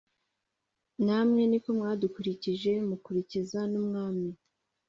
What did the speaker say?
Namwe ni ko mwadukurikije mukurikiza n umwami